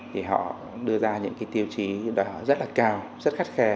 thì họ đưa ra những tiêu chí đó rất là cao rất khắt khe